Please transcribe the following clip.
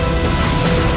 aku akan menangkapmu